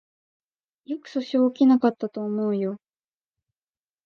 よく訴訟起きなかったと思うよ